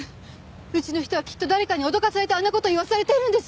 うちの人はきっと誰かに脅かされてあんな事を言わされてるんです！